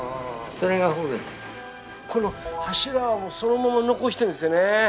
この柱もそのまま残してるんですよね。